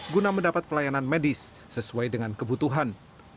guna mendapat pelayanan medis sesuai dengan kebutuhan